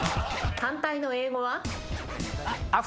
反対の英語は？